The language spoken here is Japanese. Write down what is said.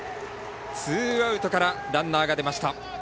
ツーアウトからランナーが出ました。